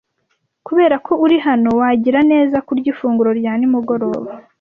Kubera ko uri hano, wagira neza kurya ifunguro rya nimugoroba.